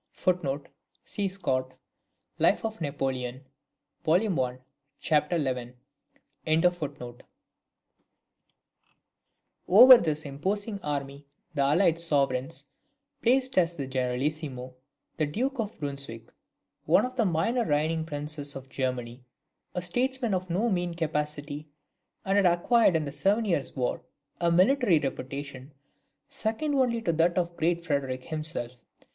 [See Scott, Life of Napoleon, vol. i. c. xi.] Over this imposing army the allied sovereigns placed as generalissimo the Duke of Brunswick, one of the minor reigning princes of Germany, a statesman of no mean capacity, and who had acquired in the Seven Years' War, a military reputation second only to that of the Great Frederick himself.